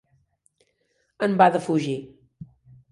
En va defugir.